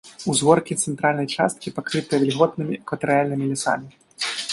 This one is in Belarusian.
Узгоркі цэнтральнай часткі пакрытыя вільготнымі экватарыяльнымі лясамі.